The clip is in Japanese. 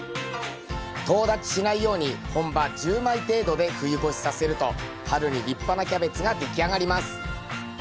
とう立ちしないように本葉１０枚程度で冬越しさせると春に立派なキャベツが出来上がります。